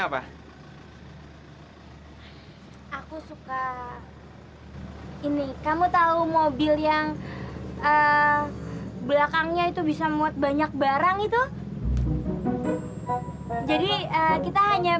sampai jumpa di video selanjutnya